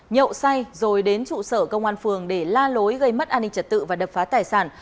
nhậu say rồi đến trụ sở công an phường để la lối gây mất an ninh trật tự và đập phá tài sản